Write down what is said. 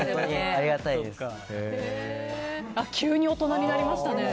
急に大人になりましたね。